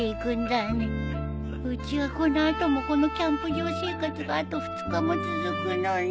うちはこの後もこのキャンプ場生活があと２日も続くのに。